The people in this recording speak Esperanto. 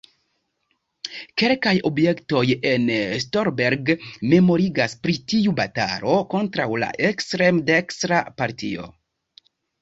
Kelkaj objektoj en Stolberg memorigas pri tiu batalo kontraŭ la ekstreme dekstra partio.